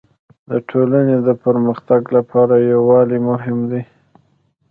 د ټولني د پرمختګ لپاره يووالی مهم دی.